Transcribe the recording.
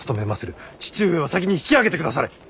父上は先に引き揚げてくだされ。